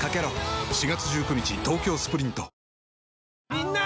みんな！